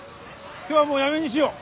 今日はもうやめにしよう。